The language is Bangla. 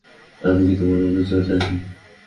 আমি কি তোমার অনুচর নাকি?